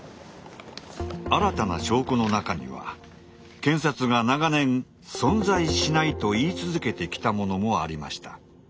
新たな証拠の中には検察が長年「存在しない」と言い続けてきたものもありました。